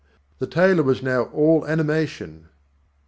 The tailor was now all animation.